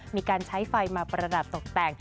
มีการใช้ไฟมาประดับตกแต่ง